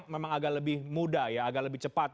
memang agak lebih muda ya agak lebih cepat